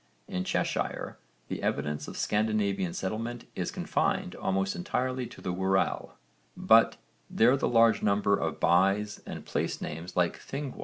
In Cheshire the evidence of Scandinavian settlement is confined almost entirely to the Wirral, but there the large number of bys and place names like Thingwall (_v.